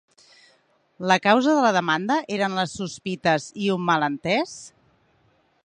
La causa de la demanda eren les sospites i un malentès?